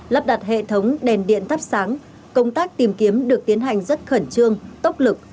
lắp đặt hệ thống đèn điện thắp sáng công tác tìm kiếm được tiến hành rất khẩn trương tốc lực